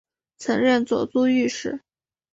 曾任左都御史。